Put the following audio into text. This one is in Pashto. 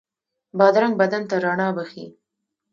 بادرنګ بدن ته رڼا بښي.